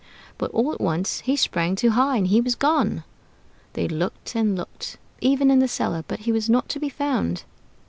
But all at once he sprang too high, and he was gone! They looked and looked, even in the cellar, but he was not to be found.